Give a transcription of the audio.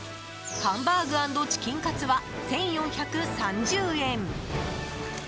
ハンバーグ＆チキンカツは１４３０円。